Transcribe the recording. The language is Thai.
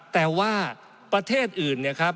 แต่ว่าประเทศอื่น